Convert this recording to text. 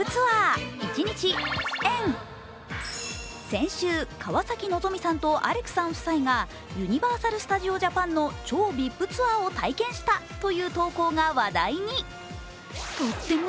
先週、川崎希さんとアレクさん夫妻がユニバーサル・スタジオ・ジャパンの超ＶＩＰツアーを体験したという投稿が話題に。